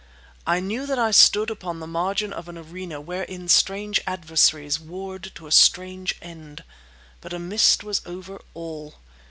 I knew that I stood upon the margin of an arena wherein strange adversaries warred to a strange end. But a mist was over all.